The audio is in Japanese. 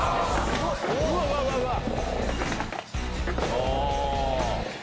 お！